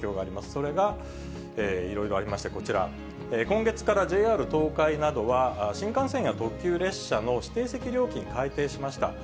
それがいろいろありまして、こちら、今月からＪＲ東海などは、新幹線や特急列車の指定席料金、改定しました。